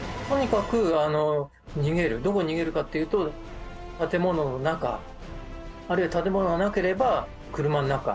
どこに逃げるかっていうと建物の中あるいは建物がなければ車の中。